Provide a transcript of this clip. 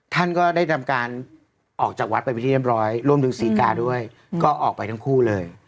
ท่านก็ได้ทำการออกจากวัดไปเป็นที่เรียบร้อยรวมถึงศรีกาด้วยก็ออกไปทั้งคู่เลย